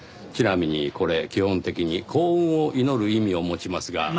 ちなみにこれ基本的に幸運を祈る意味を持ちますが。